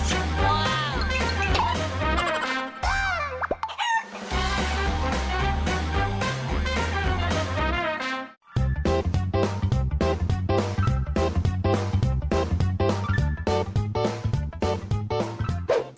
สวัสดีครับทุกคน